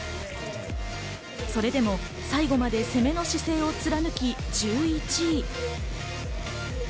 それでも最後まで攻めの姿勢を貫き１１位。